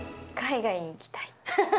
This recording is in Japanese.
海外に行きたい。